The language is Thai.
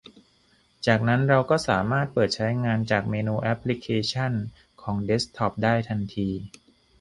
จากนั้นเราก็สามารถเปิดใช้งานจากเมนูแอปพลิเคชันของเดสก์ท็อปได้ทันที